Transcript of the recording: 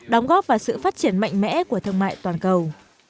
đóng góp vào sự phát triển mạnh mẽ của thương mại toàn cầu